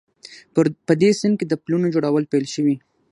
په دې سیند کې د پلونو جوړول پیل شوي